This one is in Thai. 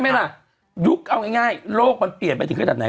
ไหมล่ะยุคเอาง่ายโลกมันเปลี่ยนไปถึงขนาดไหน